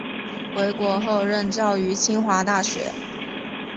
回国后任教于清华大学。